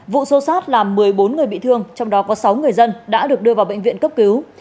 vụ xô xát làm một mươi bốn người bị thương trong đó có sáu người dân đã được đưa vào bệnh viện cấp cứu